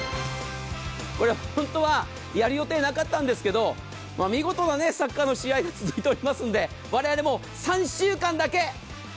これ、本当はやる予定なかったんですが見事なサッカーの試合が続いておりますので我々も３週間だけ。